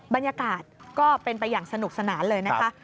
บรรยากาศก็เป็นไปอย่างสนุกสนานเลยนะคะ